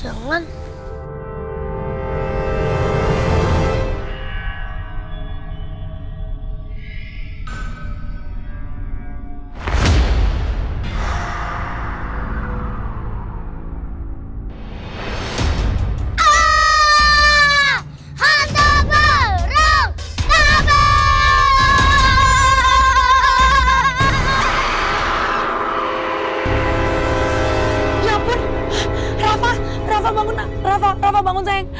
ya ampun rafa bangun rafa bangun sayang